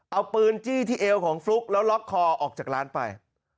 เอาปืนจี้ที่เอวของฟลุ๊กแล้วล็อกคอออกจากร้านไป